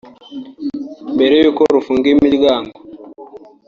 Mbere y’uko rufunga imiryango